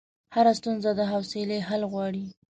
هره ستونزه د حوصلې حل غواړي.